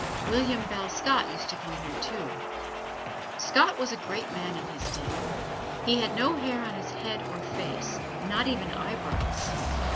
William Bell Scott used to come here, too. Scott was a great man in his day. He had no hair on his head or face, not even eyebrows.